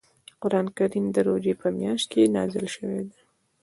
قران کریم د روژې په میاشت کې نازل شوی دی .